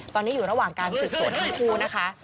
ตอนนี้อยู่ระหว่างการสืบสวนทั้งคู่นะคะ